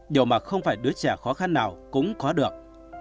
điều mà không phải đứa trẻ khó khăn nào cũng có được